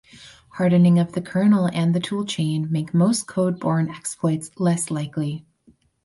Hardening of the kernel and the toolchain make most code born exploits less likely.